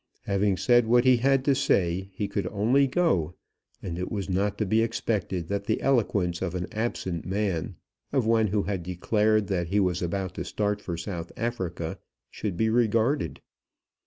Having said what he had to say, he could only go; and it was not to be expected that the eloquence of an absent man, of one who had declared that he was about to start for South Africa, should be regarded.